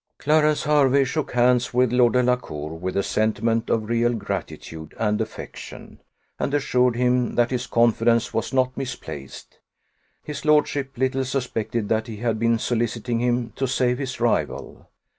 Clarence Hervey shook hands with Lord Delacour, with a sentiment of real gratitude and affection; and assured him that his confidence was not misplaced. His lordship little suspected that he had been soliciting him to save his rival.